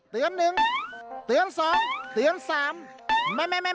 เตือนหนึ่งเตือนสองเตือนสาม